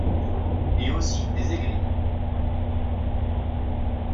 Et aussi des aigris